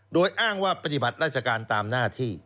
โดยอ้างว่าปฏิบัติราชการตามหน้าที่